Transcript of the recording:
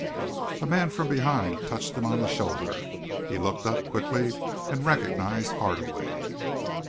A man from behind touched him on the shoulder. He looked up quickly and recognized Hardaway.